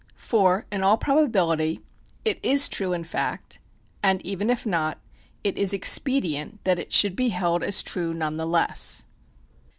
For in all probability it is true in fact, and even if not, it is expedient that it should be held as true none the less.